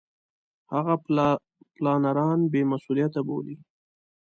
هغه پلانران بې مسولیته بولي.